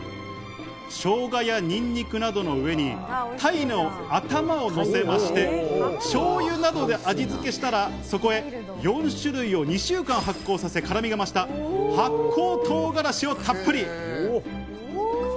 ショウガやニンニクなどの上に鯛の頭をのせまして、しょうゆなどで味付けしたら、そこへ４種類を２週間発酵させ辛味を増した発酵唐辛子をたっぷり。